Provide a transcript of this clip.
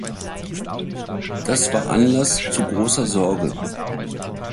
Das war Anlass zu großer Sorge.